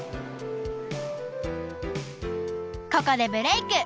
ここでブレーク！